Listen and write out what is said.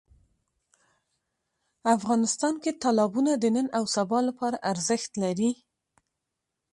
افغانستان کې تالابونه د نن او سبا لپاره ارزښت لري.